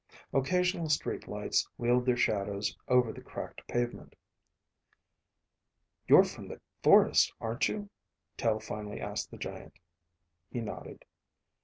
Occasional street lights wheeled their shadows over the cracked pavement. "You're from the forest, aren't you?" Tel finally asked the giant. He nodded.